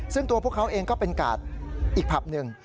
ซึ่งตัวพวกเขาเองก็เป็นกาดอีกผับหนึ่ง